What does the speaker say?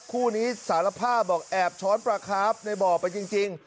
คู่นี้สารภาพบอกแอบช้อนปลาคาฟในบ่อไปจริง